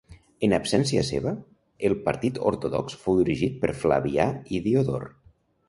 En absència seva, el partit ortodox fou dirigit per Flavià i Diodor.